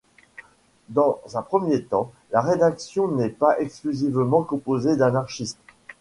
Dans un premier temps, la rédaction n'est pas exclusivement composée d'anarchistes.